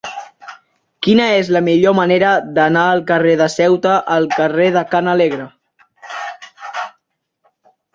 Quina és la millor manera d'anar del carrer de Ceuta al carrer de Ca l'Alegre?